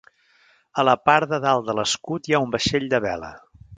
A la part de dalt de l'escut hi ha un vaixell de vela.